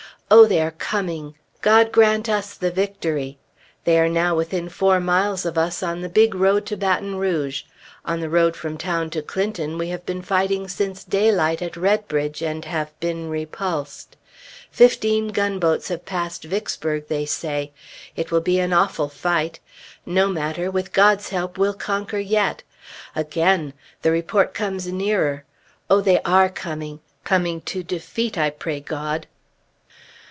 Oh, they are coming! God grant us the victory! They are now within four miles of us, on the big road to Baton Rouge. On the road from town to Clinton, we have been fighting since daylight at Readbridge, and have been repulsed. Fifteen gunboats have passed Vicksburg, they say. It will be an awful fight. No matter! With God's help we'll conquer yet! Again! the report comes nearer. Oh, they are coming! Coming to defeat, I pray God.